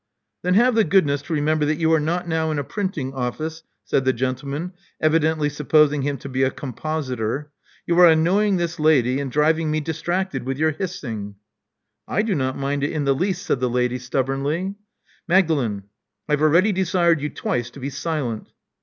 Then have the goodness to remember that you are not now in a printing oflSce," said the gentleman, evidently supposing him to be a compositor. "You are annoying this lady, and driving me distracted with your hissing." I do not mind it in the least," said the lady stubbornly. "Magdalen: I have already desired you twice to be silent."